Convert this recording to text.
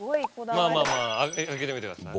まぁまぁ開けてみてください。